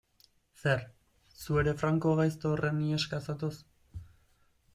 Zer, zu ere Franco gaizto horren iheska zatoz?